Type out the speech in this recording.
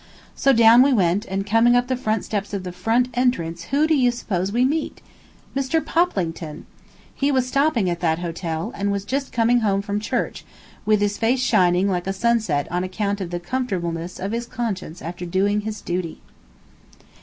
So down we went, and coming up the front steps of the front entrance who do you suppose we met? Mr. Poplington! He was stopping at that hotel, and was just coming home from church, with his face shining like a sunset on account of the comfortableness of his conscience after doing his duty.